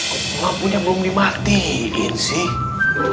kok lampunya belum dimatiin sih